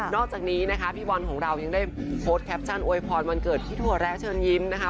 อกจากนี้นะคะพี่บอลของเรายังได้โพสต์แคปชั่นอวยพรวันเกิดพี่ถั่วแร้เชิญยิ้มนะคะ